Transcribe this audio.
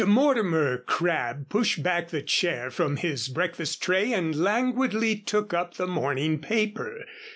Mortimer Crabb pushed back the chair from his breakfast tray and languidly took up the morning paper.